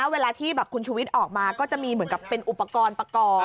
เวลาที่คุณชุวิตออกมาก็จะมีเหมือนกับเป็นอุปกรณ์ประกอบ